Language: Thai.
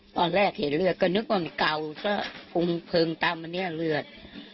ตอนแรกเห็นเลือดก็นึกว่ามันเก่าซะคุมเพลิงตามอันนี้เลือด